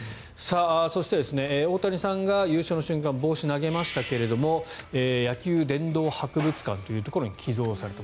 そして、大谷さんが優勝の瞬間に帽子を投げましたけれども野球殿堂博物館というところに寄贈された。